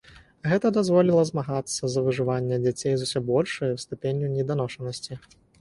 Гэта дазволіла змагацца за выжыванне дзяцей з усё большай ступенню неданошанасці.